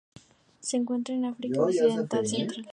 Se encuentra en África occidental central.